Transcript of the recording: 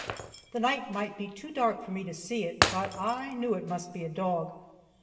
The night might be too dark for me to see it, but I knew it must be a dog.